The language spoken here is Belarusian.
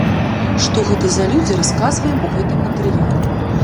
Што гэта за людзі, расказваем у гэтым матэрыяле.